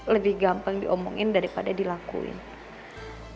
lebih gampang diomongin daripada dilakuin